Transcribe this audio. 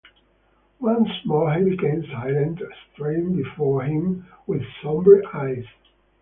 Once more he became silent, staring before him with sombre eyes.